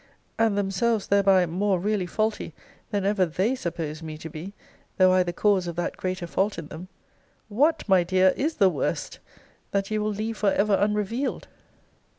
And themselves thereby more really faulty, than ever THEY suppose me to be, though I the cause of that greater fault in them? What, my dear, is the worst, that you will leave for ever unrevealed?